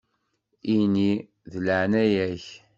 Ini: « deg leεna-yak».